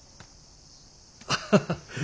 ハハハハ。